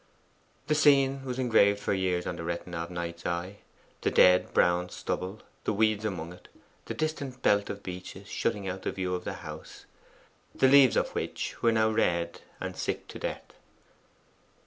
The scene was engraved for years on the retina of Knight's eye: the dead and brown stubble, the weeds among it, the distant belt of beeches shutting out the view of the house, the leaves of which were now red and sick to death.